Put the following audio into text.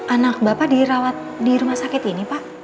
anak bapak dirawat di rumah sakit ini pak